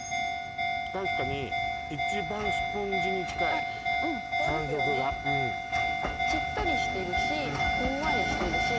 確かに一番スポンジに近いそうですよね感触がしっとりしているしふんわりしているし